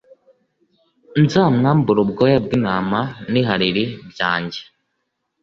nzamwambure ubwoya bw’intama n’ihariri byanjye